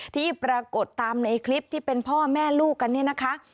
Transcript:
ที่ปรากฏตามในคลิปที่เป็นพ่อแม่ลูกกันเนี่ยนะคะ